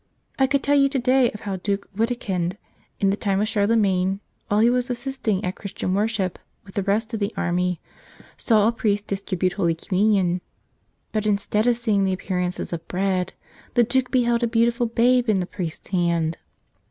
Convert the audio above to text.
I could tell you today of how Duke Wittekind, in the time of Charlemagne, while he was assisting at Christian worship with the rest of the army, saw a priest distribute Holy Communion. But instead of seeing the appearances of bread, the Duke beheld a beautiful Babe in the priest's hand.